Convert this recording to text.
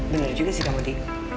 bener juga sih damodi